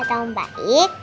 kata om baik